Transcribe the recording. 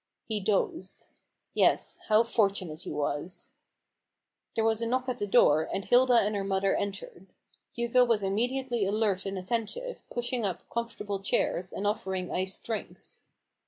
He dozed. Yes : how fortunate he was ! There was a knock at the door, and Hilda and her mother entered, Hugo was immediately alert and attentive, pushing up comfortable chairs, and offering iced drinks.